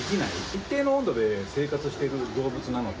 一定の温度で生活してる動物なので。